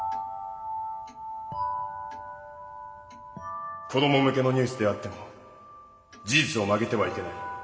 回想子ども向けのニュースであっても事実を曲げてはいけない。